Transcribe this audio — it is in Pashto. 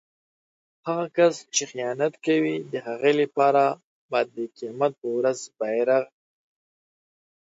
هغه کس چې خیانت کوي د هغه لپاره به د قيامت په ورځ بیرغ